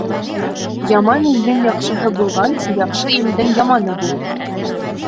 Яман илдең яҡшыһы булғансы, яҡшы илдең яманы бул.